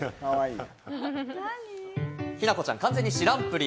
きなこちゃん、完全に知らんぷり。